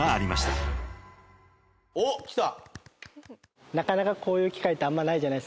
おっきた！